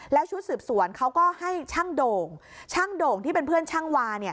แล้วชุดสืบสวนเขาก็ให้ช่างโด่งช่างโด่งที่เป็นเพื่อนช่างวา